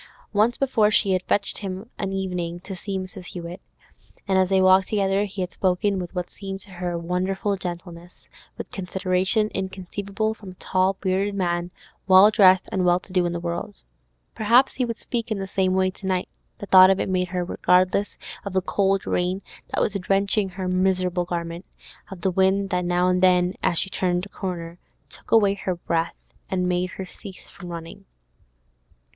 Once before she had fetched him of an evening to see Mrs. Hewett, and as they walked together he had spoken with what seemed to her wonderful gentleness, with consideration inconceivable from a tall, bearded man, well dressed, and well to do in the world. Perhaps he would speak in the same way to night; the thought of it made her regardless of the cold rain that was drenching her miserable garment, of the wind that now and then, as she turned a corner, took away her breath, and made her cease from running.